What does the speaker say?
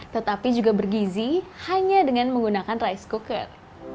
tetapi juga bergizi hanya dengan menggunakan rice cooker